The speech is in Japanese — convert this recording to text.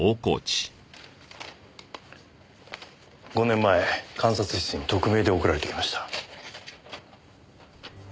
５年前監察室に匿名で送られてきました。